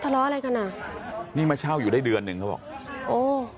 ทะเลาะอะไรกันอ่ะนี่มาเช่าอยู่ได้เดือนหนึ่งเขาบอกโอ้